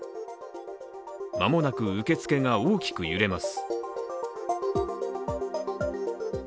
間もなく受付が大きく揺れます。